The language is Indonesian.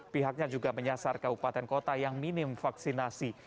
pihaknya juga menyasar kabupaten kota yang minim vaksinasi